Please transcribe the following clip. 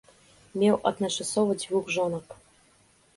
Меў адначасова дзвюх жонак.